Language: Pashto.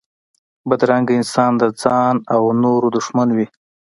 بدرنګه انسان د ځان و نورو دښمن وي